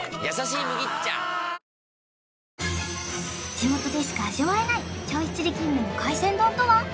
地元でしか味わえない銚子つりきんめの海鮮丼とは？